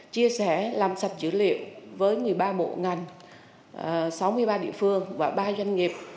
chia sẻ làm sạch dữ liệu với một mươi ba bộ ngành sáu mươi ba địa phương và ba doanh nghiệp